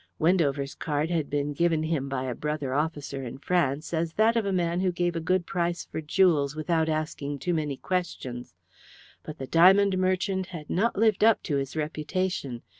Wendover's card had been given to him by a brother officer in France as that of a man who gave a good price for jewels without asking too many questions. But the diamond merchant had not lived up to his reputation.